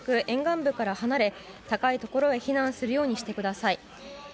沿岸部から離れ高いところへ避難するようにしてください。